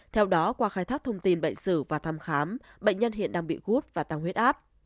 theo đó qua khai thác thông tin bệnh sử và thăm khám bệnh nhân hiện đang bị gút và tăng huyết áp